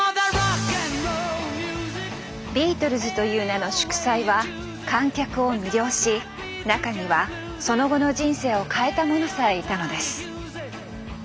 ビートルズという名の祝祭は観客を魅了し中にはその後の人生を変えた者さえいたのです。